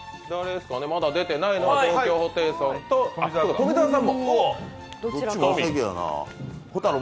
まだ出てないのは東京ホテイソンと富澤さん。